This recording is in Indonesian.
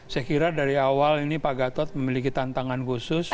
saya kira dari awal ini pak gatot memiliki tantangan khusus